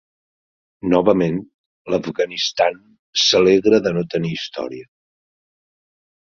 Novament, l'Afganistan "s'alegra de no tenir història".